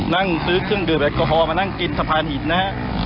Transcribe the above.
นั่งซื้อเครื่องดื่มแอลกอฮอลมานั่งกินสะพานหินนะฮะ